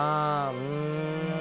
うん。